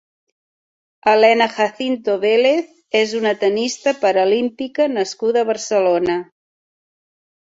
Elena Jacinto Vélez és una tennista paralímpica nascuda a Barcelona.